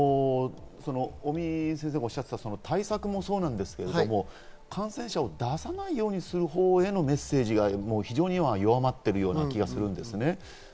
尾身先生もおっしゃっていた対策もそうですけど、感染者を出さないようにするほうへのメッセージが弱まっている気がするんですね。